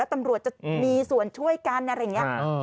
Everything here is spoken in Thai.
ตำรวจจะมีส่วนช่วยกันอะไรอย่างนี้